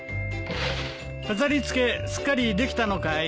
飾り付けすっかりできたのかい？